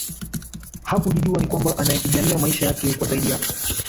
hakukijua ni kwamba angepigania maisha yake kwa zaidi ya